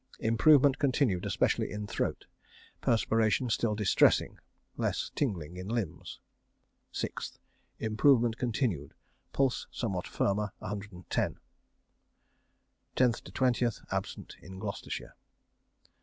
Improvement continued, especially in throat. Perspiration still distressing. Less tingling in limbs. 6th. Improvement continued. Pulse somewhat firmer, 110. (10th to 20th. Absent in Gloucestershire.)